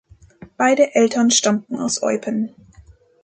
Beide Eltern stammten aus Eupen.